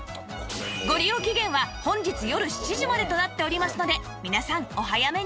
ご利用期限は本日よる７時までとなっておりますので皆さんお早めに